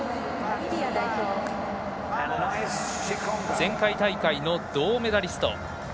前回大会の銅メダリスト。